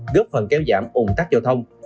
góp phần kéo giảm ủng tắc giao thông